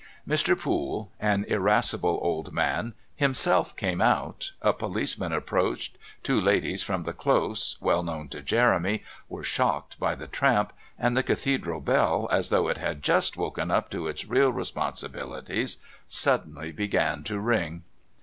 Mr. Poole, an irascible old man, himself came out, a policeman approached, two old ladies from the Close, well known to Jeremy, were shocked by the tramp, and the Cathedral bell, as though it had just awoken up to its real responsibilities, suddenly began to ring.